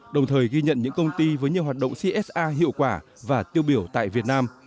đồng thời ghi nhận những công ty với nhiều hoạt động csa hiệu quả và tiêu biểu tại việt nam